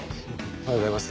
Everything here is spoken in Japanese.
おはようございます。